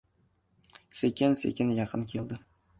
Sekin-sekin yaqin keldi.